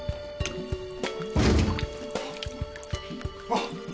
あっ。